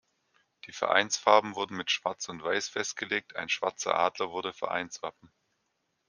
Die Vereinsfarben wurden mit schwarz und weiß festgelegt, ein schwarzer Adler wurde Vereinswappen.